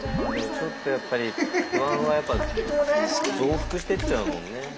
ちょっとやっぱり不安はやっぱ増幅してっちゃうもんね。